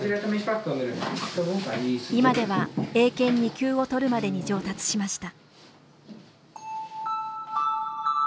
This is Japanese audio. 今では英検２級を取るまでに上達しました。